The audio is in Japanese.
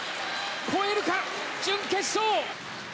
超えるか、準決勝。